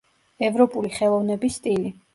ევროპული ხელოვნების სტილი.